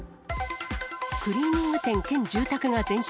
クリーニング店兼住宅が全焼。